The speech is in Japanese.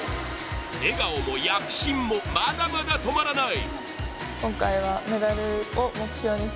笑顔も躍進もまだまだ止まらない。